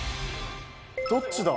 どっちだ？